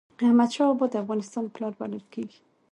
احمد شاه بابا د افغانستان پلار بلل کېږي.